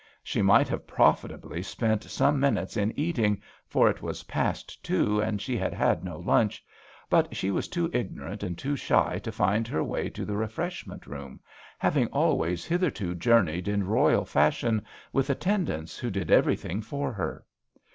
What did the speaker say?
She might have profitably spent some minutes in eating, for it was past two and she had had no lunch, but she was too ignorant and too shy to find her way to the refresh ment room, having always hither to journeyed in royal fashion, with attendants who did every thing for her.